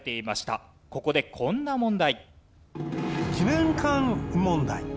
ここでこんな問題。